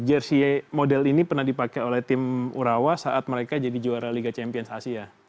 jersey model ini pernah dipakai oleh tim urawa saat mereka jadi juara liga champions asia